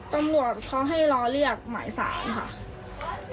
ตำรวจเขาให้รอเรียกหมายสารค่ะ